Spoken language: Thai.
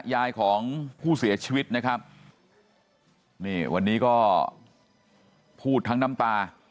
ยายของผู้เสียชีวิตนะครับนี่วันนี้ก็พูดทั้งน้ำตา